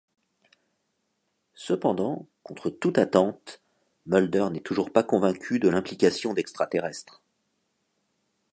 Cependant, contre toute attente, Mulder n'est toujours pas convaincu de l'implication d’extraterrestres.